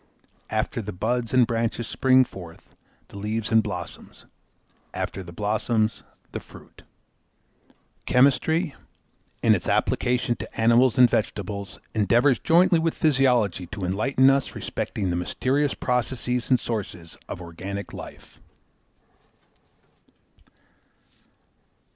After the buds and branches spring forth the leaves and blossoms, after the blossoms the fruit. Chemistry, in its application to animals and vegetables, endeavours jointly with physiology to enlighten us respecting the mysterious processes and sources of organic life.